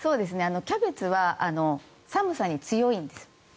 キャベツは寒さに強いんです。